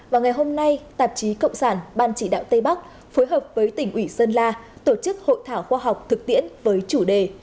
vào ngày hôm nay tạp chí cộng sản ban chỉ đạo tây bắc phối hợp với tỉnh ủy sơn la tổ chức hội thảo khoa học thực tiễn với chủ đề